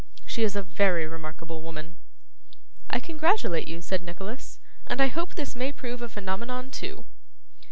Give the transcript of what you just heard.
She is a very remarkable woman.' 'I congratulate you,' said Nicholas, 'and I hope this may prove a phenomenon too.